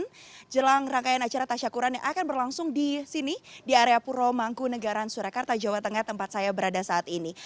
dan jelang rangkaian acara tasya kuran yang akan berlangsung di sini di area puro mangkun degaran surakarta jawa tengah tempat saya berada saat ini